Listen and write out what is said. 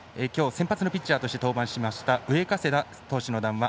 今日、先発のピッチャーとして登板しました上加世田投手の談話